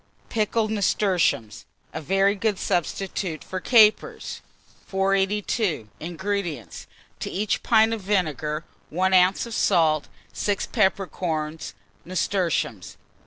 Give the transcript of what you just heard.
PICKLED NASTURTIUMS (a very good Substitute for Capers) 482. INGREDIENTS. To each pint of vinegar, 1 oz. of salt, 6 peppercorns, nasturtiums.